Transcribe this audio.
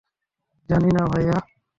জানি না, ভাইয়া।